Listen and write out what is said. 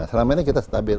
selama ini kita stabil